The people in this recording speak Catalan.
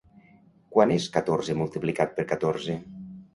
Quant és catorze multiplicat per catorze?